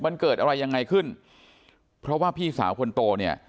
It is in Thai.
มันเกิดอะไรยังไงขึ้นเพราะว่าพี่สาวคนโตเนี่ย